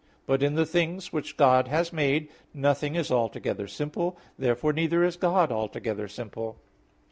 But in the things which God has made, nothing is altogether simple. Therefore neither is God altogether simple.